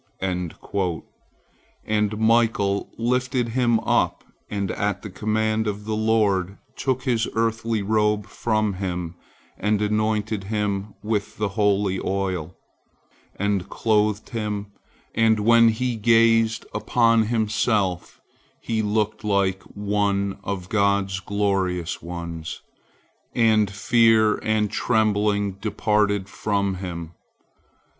And Michael lifted him up, and at the command of the Lord took his earthly robe from him, and anointed him with the holy oil, and clothed him, and when he gazed upon himself, he looked like one of God's glorious ones, and fear and trembling departed from him.